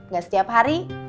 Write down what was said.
gak setiap hari